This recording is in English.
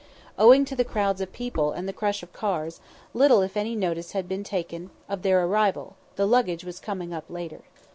Owing to the crowds of people and the crush of cars, little if any notice had been taken of their arrival; the luggage was coming up later.